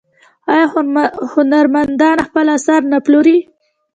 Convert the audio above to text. آیا هنرمندان خپل اثار نه پلوري؟